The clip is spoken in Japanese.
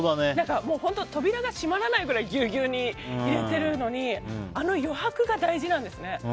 本当、扉が閉まらないくらいぎゅうぎゅうに入れているのにあの余白が大事なんですね。